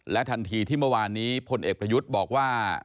ทันทีที่เมื่อวานนี้พลเอกประยุทธ์บอกว่า